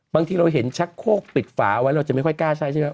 บางทีเราเห็นชักโคกปิดฝาไว้เราจะไม่ค่อยกล้าใช้ใช่ไหม